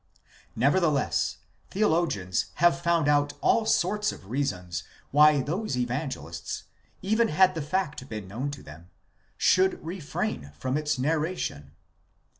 Nevertheless, theologians have found out all sorts of reasons why those Evangelists, even had the fact been known to them, should refrain from its narration.